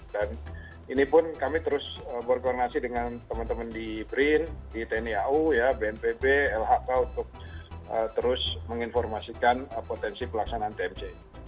dan ini pun kami terus berkoordinasi dengan teman teman di brin di tni au bnpb lhk untuk terus menginformasikan potensi pelaksanaan tmc